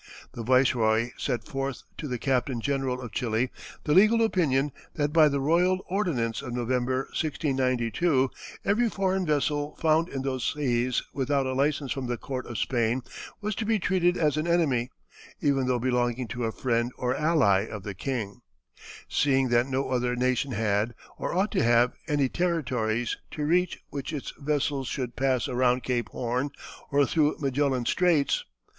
The viceroy set forth to the captain general of Chili the legal opinion that by the royal ordinance of November, 1692, every foreign vessel found in those seas without a license from the court of Spain was to be treated as an enemy, even though belonging to a friend or ally of the king, "seeing that no other nation had, or ought to have, any territories, to reach which its vessels should pass around Cape Horn or through Magellan's Straits."